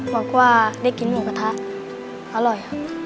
บอกว่าได้กินหมูกระทะอร่อยครับ